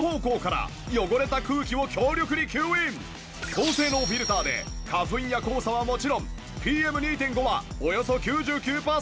高性能フィルターで花粉や黄砂はもちろんＰＭ２．５はおよそ９９パーセントキャッチ。